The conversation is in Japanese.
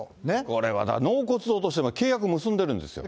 これまた、納骨堂としても契約結んでるんですよ。